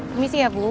bumi sih ya bu